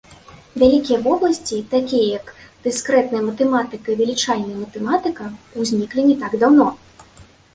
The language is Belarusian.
Вялікія вобласці, такія як дыскрэтная матэматыка і вылічальная матэматыка, узніклі не так даўно.